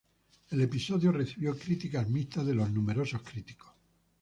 El episodio recibió críticas mixtas de los numerosos críticos.